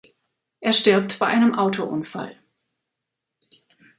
Er stirbt bei einem Autounfall.